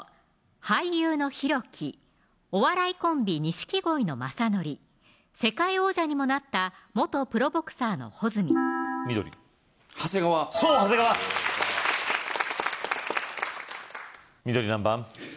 俳優の博己・お笑いコンビ錦鯉の雅紀・世界王者にもなった元プロボクサーの穂積緑長谷川そう長谷川緑何番？